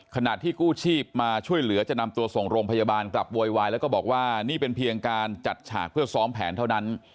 ขณะที่กู้ชีพมาช่วยเหลือจะนำตัวส่งโรงพยาบาลกลับโวยวายแล้วก็บอกว่านี่เป็นเพียงการจัดฉากเพื่อซ้อมแผนเท่านั้น